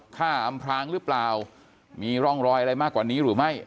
อำพลางหรือเปล่ามีร่องรอยอะไรมากกว่านี้หรือไม่